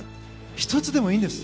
１つでもいいんです。